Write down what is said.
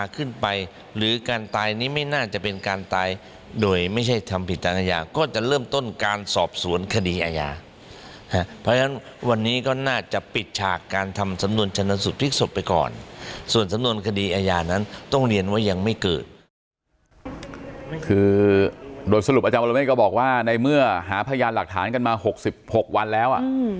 คือโดยสรุปอาจารย์วรเมฆก็บอกว่าในเมื่อหาพยานหลักฐานกันมา๖๖วันแล้ว